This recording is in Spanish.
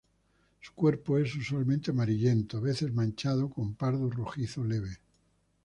Su cuerpo es usualmente amarillento, a veces manchado con pardo rojizo leve.